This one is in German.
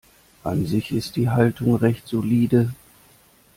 An sich ist die Halterung recht solide.